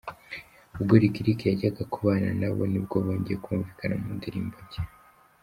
Ubwo Lick Lick yajyaga kubana nabo nibwo bongeye kumvikana mu ndirimbo nshya.